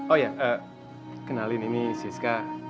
oh ya kenalin ini siska